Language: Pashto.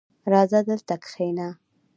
• راځه، دلته کښېنه.